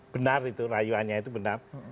benar itu rayuannya itu benar